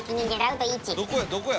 どこや。